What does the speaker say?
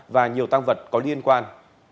và nhiều tăng vật có liên quan